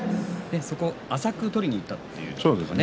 浅く取りにいったといういうことですね。